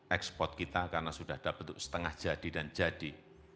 ekspor kita karena sudah ada bentuk setengah jadi dan jadi